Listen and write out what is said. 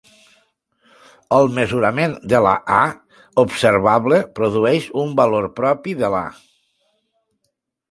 El mesurament de la "A" observable produeix un valor propi de l'"A".